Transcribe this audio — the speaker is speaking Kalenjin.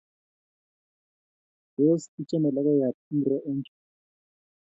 Tos ichame logoyat ingoro eng' chu?